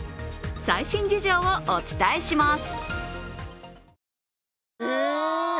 最新事情をお伝えします。